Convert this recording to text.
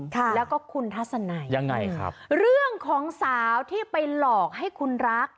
ค่ะแล้วก็คุณทัศนัยยังไงครับเรื่องของสาวที่ไปหลอกให้คุณรัก